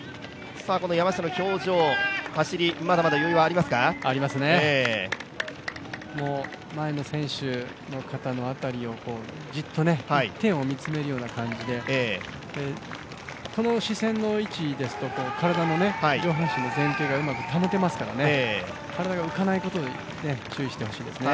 山下の表情、走り、まだまだ余裕はありますかありますね、前の選手の辺りを、じっと一点を見つめるよう感じでこの視線の位置ですと体の上半身の前傾がうまく保てますから体が動かないことに注意をしてほしいですね。